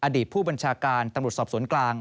อดีตผู้บัญชาการตำรวจสอบสวนกลาง